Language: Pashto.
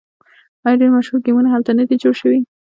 آیا ډیر مشهور ګیمونه هلته نه دي جوړ شوي؟